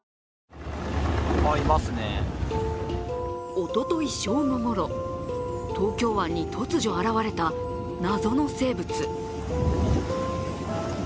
おととい正午ごろ東京湾に突如現れた謎の生物。